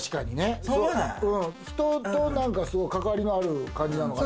人とすごい関わりのある感じなのかな？